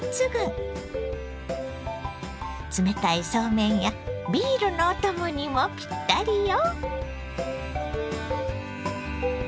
冷たいそうめんやビールのお供にもぴったりよ。